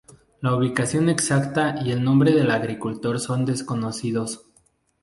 La ubicación exacta y el nombre del agricultor son desconocidos.